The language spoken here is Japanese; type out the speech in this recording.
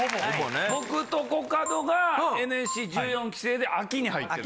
僕とコカドがＮＳＣ１４期生で秋に入ってる。